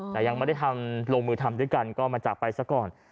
แต่ยังไม่ได้ทำลงมือทำด้วยกันก็มาจากไปซะก่อน